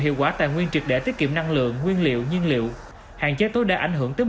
hiệu quả tài nguyên trực để tiết kiệm năng lượng nguyên liệu nhiên liệu hạn chế tối đa ảnh hưởng tới